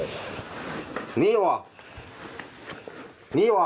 นี่หว่านี่หว่า